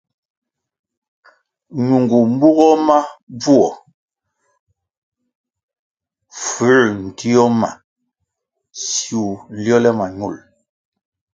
Ñungu mbugoh mo bvuo fuęr ntio ma siwu nliole ma ñul.